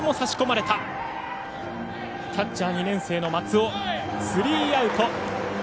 キャッチャー、２年生の松尾スリーアウト。